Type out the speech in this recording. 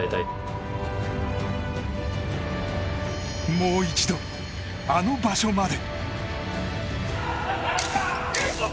もう一度、あの場所まで。